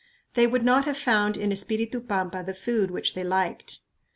They would not have found in Espiritu Pampa the food which they liked.